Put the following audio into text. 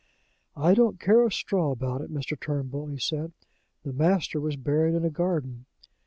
'I don't care a straw about it, Mr. Turnbull,' he said. 'The Master was buried in a garden.'